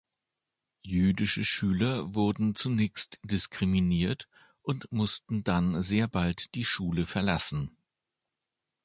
Jüdische Schüler wurden zunächst diskriminiert und mussten dann sehr bald die Schule verlassen.